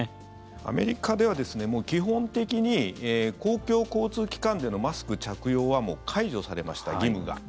アメリカでは、もう基本的に公共交通機関でのマスク着用は解除されました、義務が。